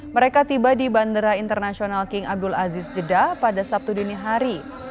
mereka tiba di bandara internasional king abdul aziz jeddah pada sabtu dini hari